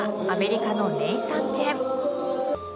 アメリカのネイサン・チェン。